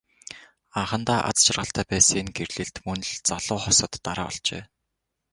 Анхандаа аз жаргалтай байсан энэ гэрлэлт мөн л залуу хосод дараа болжээ.